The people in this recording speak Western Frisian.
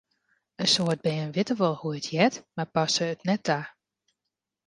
In soad bern witte wol hoe't it heart, mar passe it net ta.